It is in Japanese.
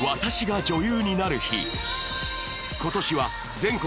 今年は全国